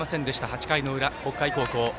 ８回の裏、北海高校。